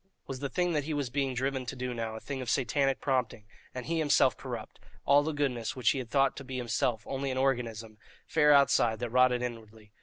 Was the thing that he was being driven to do now a thing of satanic prompting, and he himself corrupt all the goodness which he had thought to be himself only an organism, fair outside, that rotted inwardly?